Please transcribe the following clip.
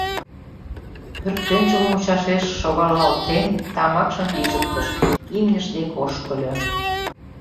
Пӧртӧнчыл мучашеш шогалалтен, тамакшым пижыктыш, имньыж дек ошкыльо.